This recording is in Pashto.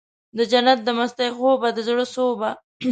دجنت د مستۍ خوبه د زړه سوبه